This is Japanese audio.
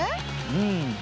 うん。